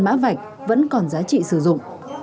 mã vạch vẫn còn giá trị sử dụng